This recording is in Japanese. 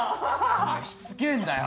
おめえしつけえんだよ。